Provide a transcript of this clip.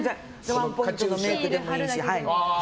ワンポイントのメイクでもいいし。